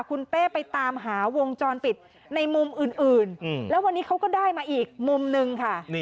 คุณเป้ไปตามหาวงจรปิดในมุมอื่นแล้ววันนี้เขาก็ได้มาอีกมุมนึงค่ะ